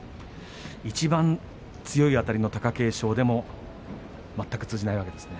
いちばん強いあたりの貴景勝でも通じないですね。